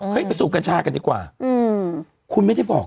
ไปสูบกัญชากันดีกว่าคุณไม่ได้บอก